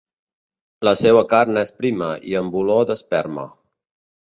La seua carn és prima i amb olor d'esperma.